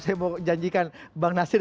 saya mau janjikan bang nasir